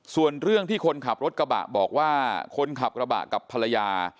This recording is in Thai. ส่วนเรื่องที่คนขับรถกระบะบอกว่าคนขับกระบะกับภรรยา